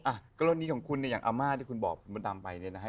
อ่ะก็รถนี้ของคุณเนี่ยอย่างอาม่าที่คุณบอกประดับไปเนี่ยนะฮะ